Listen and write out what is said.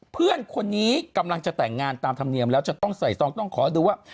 เพื่อนคนนี้กำลังจะแต่งงานตามธรรมเนียมแล้วจะต้องใส่ซองต้องขอดูว่า